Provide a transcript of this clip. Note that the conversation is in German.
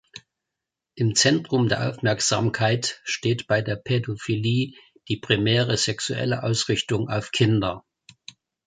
Im Zentrum der Aufmerksamkeit steht bei der Pädophilie die primäre sexuelle Ausrichtung auf Kinder.